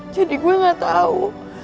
jadi gue gak tahu